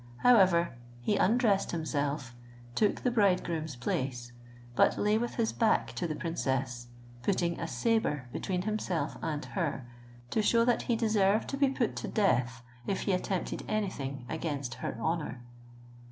However, he undressed himself, took the bridegroom's place, but lay with his back to the princess, putting a sabre between himself and her, to shew that he deserved to be put to death, if he attempted anything against her honour.